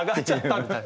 みたいな。